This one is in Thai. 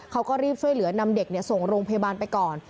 เขาก็รีบช่วยเหลือนำเด็กส่งโรงพยาบาลไปก่อน